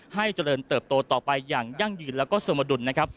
ให้เจริญเติบโตต่อไปอย่างยั่งยืนแล้วก็สมดุลนะครับ